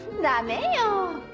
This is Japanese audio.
ダメよ！